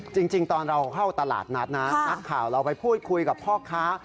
จริงตอนเราเข้าตลาดนัดนะนักข่าวเราไปพูดคุยกับพ่อค้า